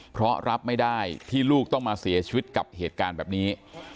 เพราะรับไม่ได้ที่ลูกต้องมาเสียชีวิตกับเหตุการณ์แบบนี้